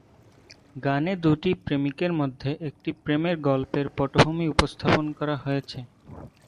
গানে দুটি প্রেমিকের মধ্যে একটি প্রেমের গল্পের পটভূমি উপস্থাপন করা হয়েছে।